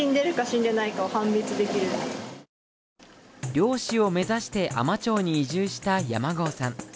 漁師を目指して海士町に移住した山郷さん